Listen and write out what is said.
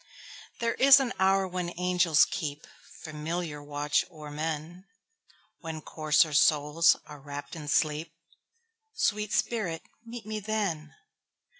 There is an hour when angels keepFamiliar watch o'er men, When coarser souls are wrapp'd in sleep—Sweet spirit, meet me then!